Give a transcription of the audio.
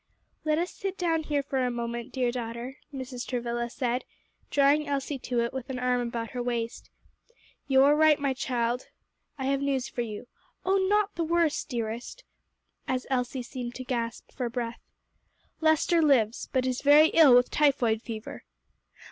"Let us sit down here for a moment, dear daughter," Mrs. Travilla said, drawing Elsie to it with an arm about her waist. "You are right, my child I have news for you. Oh, not the worst, dearest!" as Elsie seemed to gasp for breath. "Lester lives, but is very ill with typhoid fever."